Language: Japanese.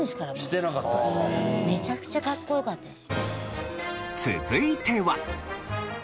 めちゃくちゃかっこよかったです。